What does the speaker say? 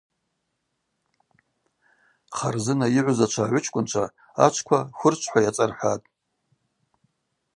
Харзына йыгӏвзачва агӏвычкӏвынчва ачвква хвырчвхӏва йацӏархӏвахтӏ.